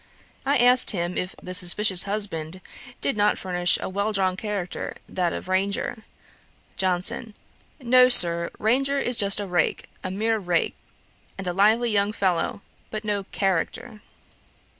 I asked him, if The Suspicious Husband did not furnish a well drawn character, that of Ranger. JOHNSON. 'No, Sir; Ranger is just a rake, a mere rake, and a lively young fellow, but no character'.